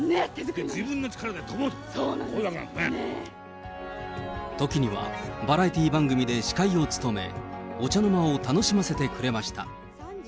自分の力で飛ぶって、時には、バラエティー番組で司会を務め、お茶の間を楽しませてくれました。